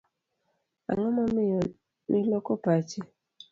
Ang'o momiyo ni loko pachi?